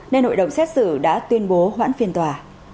nên hội đồng xét xử đã tuyên bố hoãn phiên tòa